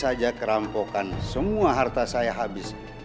saya baru saja kerampokkan semua harta saya habis